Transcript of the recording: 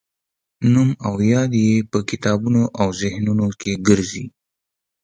نوم او یاد یې په کتابونو او ذهنونو کې ګرځي.